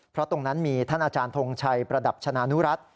เพราะตรงนั้นมีท่านอาจารย์ทงชัยประดับชนะนุรัติ